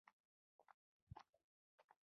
په څو شېبو کې هر اړخ ته ډنډ اوبه ودرېدې.